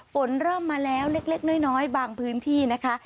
ฝนเริ่มมาแล้วเล็กน้อยบางพื้นที่นะคะ